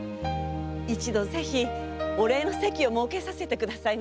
一度ぜひお礼の席を設けさせてくださいまし。